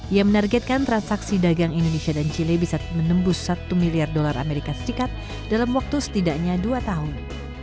ia menargetkan transaksi dagang indonesia dan chile bisa menembus satu miliar dolar amerika serikat dalam waktu setidaknya dua tahun